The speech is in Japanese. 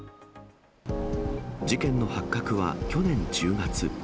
事件の発覚は去年１０月。